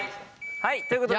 はいということで。